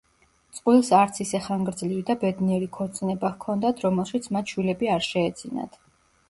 წყვილს არც ისე ხანგრძლივი და ბედნიერი ქორწინება ჰქონდათ, რომელშიც მათ შვილები არ შეეძინათ.